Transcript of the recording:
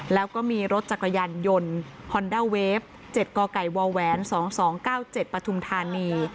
แล้วก็มีรถจักรยานยนต์ฮอนด้าเวฟ๗กกว๒๒๙๗ปฐุมธานี